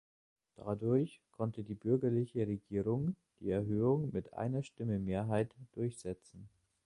Dadurch konnte die bürgerliche Regierung die Erhöhung mit einer Stimme Mehrheit durchsetzen.